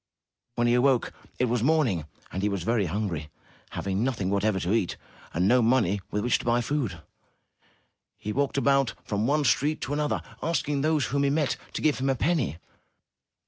When he awoke, it was morning, and he was very hungry. Having nothing whatever to eat and no money with which to buy food, he walked about from one street to another, asking those whom he met to give him a penny.